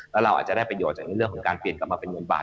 แล้วเราอาจจะได้ประโยชน์จากเรื่องของการเปลี่ยนกลับมาเป็นหมื่นบาท